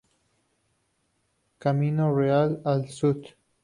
Camino Real al Sud.